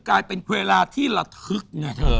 กลายเป็นเวลาที่ระทึกไงเธอ